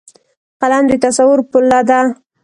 قلم د تصور پله ده